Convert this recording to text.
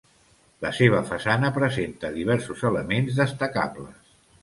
La seva façana presenta diversos elements destacables.